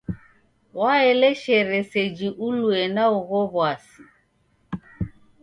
Waeleshere seji ulue na ugho w'asi.